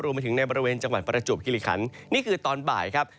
มาถึงในบริเวณจังหวัดประจวบคิริขันนี่คือตอนบ่ายครับ